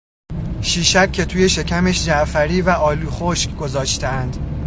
شیشک که توی شکمش جعفری و آلو خشک گذاشتهاند